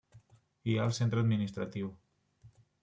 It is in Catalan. Hi ha el centre administratiu.